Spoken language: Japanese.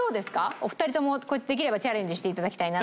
お二人ともこれできればチャレンジして頂きたいなと。